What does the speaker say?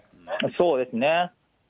そうですね。